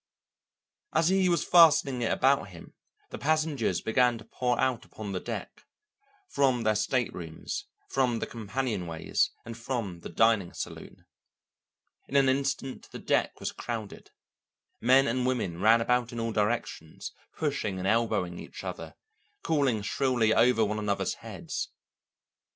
As he was fastening it about him, the passengers began to pour out upon the deck, from their staterooms, from the companionways, and from the dining saloon. In an instant the deck was crowded. Men and women ran about in all directions, pushing and elbowing each other, calling shrilly over one another's heads.